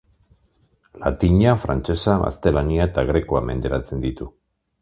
Latina, frantsesa, gaztelania eta grekoa menderatzen ditu.